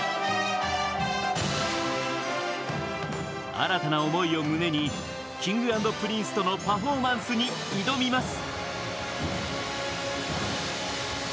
新たな思いを胸に Ｋｉｎｇ＆Ｐｒｉｎｃｅ とのパフォーマンスに挑みます。